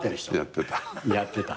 やってた。